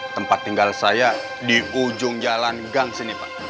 tempat tinggal saya di ujung jalan gangseni pak